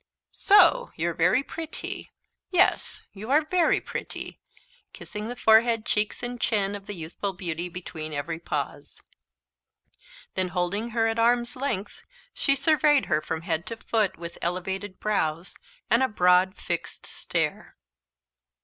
"So you're very pretty yes, you are very pretty!" kissing the forehead, cheeks, and chin of the youthful beauty between every pause. Then, holding her at arm's length, she surveyed her from head to foot, with elevated brows, and a broad fixed stare.